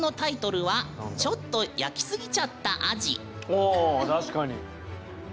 お確かに。